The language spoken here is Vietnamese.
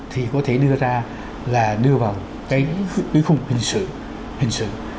thì có thể đưa ra là đưa vào cái cuối cùng hình sự